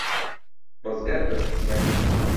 ڕزگار بەرپرسیار بوو.